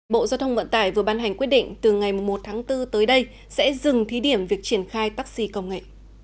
bộ giao thông vận tải vừa ban hành quyết định từ ngày một tháng bốn tới đây sẽ dừng thí điểm việc triển khai taxi công nghệ